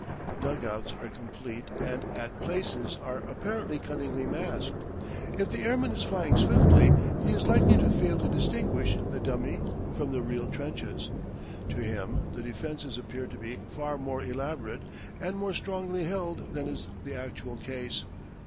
The dug outs are complete and at places are apparently cunningly masked. If the airman is flying swiftly, he is likely to fail to distinguish the dummy from the real trenches. To him the defences appear to be far more elaborate and more strongly held than is the actual case.